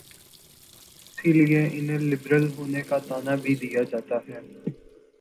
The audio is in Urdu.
اسی لیے انہیں لبرل ہونے کا طعنہ بھی دیا جاتا ہے۔